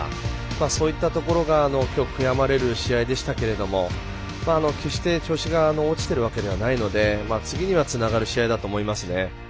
そういったところが、きょう悔やまれる試合でしたが決して調子が落ちてるわけではないので次にはつながる試合だと思います。